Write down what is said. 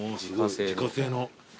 自家製の。